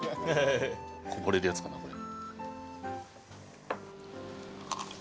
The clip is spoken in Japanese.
こぼれるやつかなこれ。